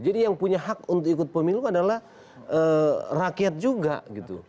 jadi yang punya hak untuk ikut pemilu adalah rakyat juga gitu